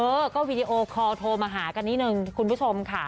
เออก็วีดีโอคอลโทรมาหากันนิดนึงคุณผู้ชมค่ะ